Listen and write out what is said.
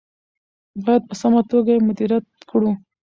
باید په سمه توګه یې مدیریت کړو.